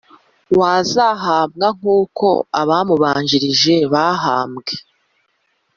w Azahambwa nk uko abamubanjirije bahambwe